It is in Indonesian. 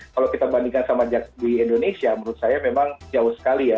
kalau kita bandingkan sama di indonesia menurut saya memang jauh sekali ya